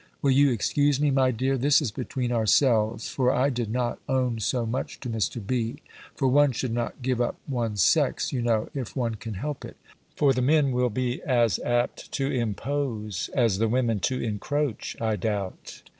Will you excuse me, my dear? This is between ourselves; for I did not own so much to Mr. B. For one should not give up one's sex, you know, if one can help it: for the men will be as apt to impose, as the women to encroach, I doubt.